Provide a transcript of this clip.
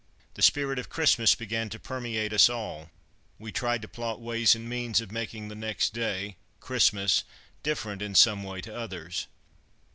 The spirit of Christmas began to permeate us all; we tried to plot ways and means of making the next day, Christmas, different in some way to others.